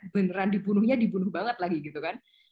beneran dibunuhnya dibunuh banget lagi gitu kan